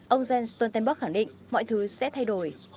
ông jens stoltenberg khẳng định mọi thứ sẽ thay đổi